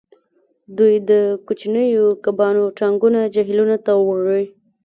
دوی د کوچنیو کبانو ټانکونه جهیلونو ته وړي